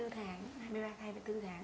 hai mươi bốn tháng hai mươi ba hai mươi bốn tháng